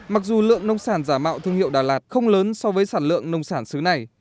mặc dù lượng nông sản giả mạo thương hiệu đà lạt không lớn so với sản lượng nông sản xứ này